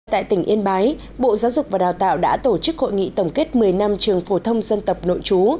tại tỉnh yên bái bộ giáo dục và đào tạo đã tổ chức hội nghị tổng kết một mươi năm trường phổ thông dân tộc nội chú